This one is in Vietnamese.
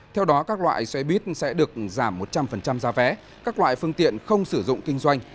theo đó các loại xe buýt sẽ được giảm một trăm linh giá vé các loại phương tiện không sử dụng kinh doanh